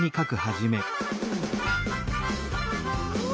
うわ！